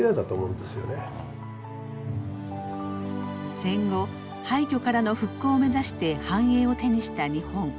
戦後廃虚からの復興を目指して繁栄を手にした日本。